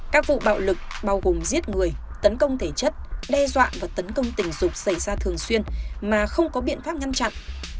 các vụ bạo lực bao gồm giết người tấn công thể chất đe dọa và tấn công tình dục xảy ra thường xuyên mà không có biện pháp ngăn chặn